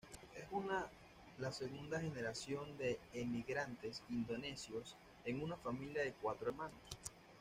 Es una la segunda generación de emigrantes indonesios en una familia de cuatro hermanos.